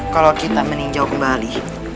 kalau kita meninjau kembali